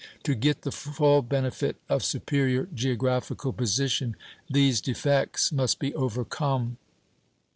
To get the full benefit of superior geographical position, these defects must be overcome.